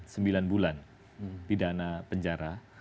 sembilan bulan pidana penjara